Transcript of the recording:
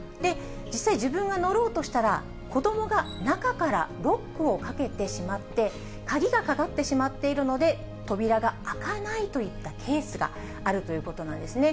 実際、自分が乗ろうとしたら、子どもが中からロックをかけてしまって、鍵がかかってしまっているので、扉が開かないといったケースがあるということなんですね。